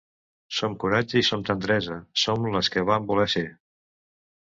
Som coratge i som tendresa, som les que vam voler ser.